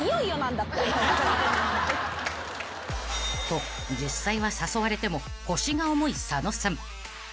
［と実際は誘われても腰が重い佐野さん］